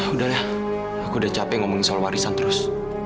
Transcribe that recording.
udah lah aku udah capek ngomongin soal warisan terus